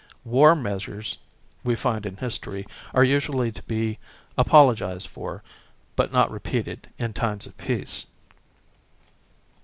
Wari measures, we find in history, are usually to be apolo gised for, but not repeated, in times of peace.